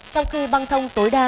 trong khi băng thông tối đa